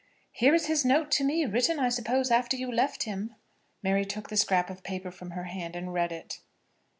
"Here is his note to me, written, I suppose, after you left him." Mary took the scrap of paper from her hand and read it.